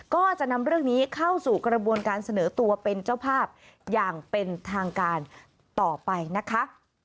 ก็จะนำเรื่องนี้เข้าสู่กระบวนการเสนอตัวเป็นเจ้าภาพอย่างเป็นทางการต่อไปนะคะ